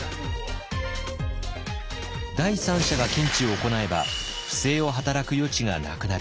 第三者が検地を行えば不正を働く余地がなくなる。